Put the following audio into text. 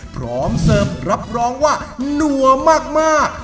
พร้อมเสิร์ฟรับรองว่านัวมาก